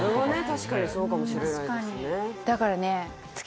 確かにそうかもしれないですね